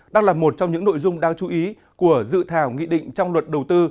đang là một trong những nội dung đáng chú ý của dự thảo nghị định trong luật đầu tư